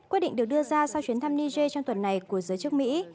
quyết định được đưa ra sau chuyến thăm niger trong tuần này của giới chức mỹ